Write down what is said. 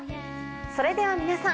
それでは皆さん